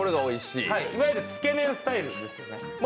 いわゆるつけ麺スタイルですよね。